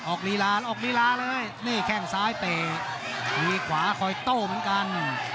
ลีลาออกลีลาเลยนี่แข้งซ้ายเตะมีขวาคอยโต้เหมือนกัน